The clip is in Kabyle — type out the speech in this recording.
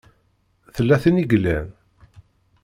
Tella tin i yellan?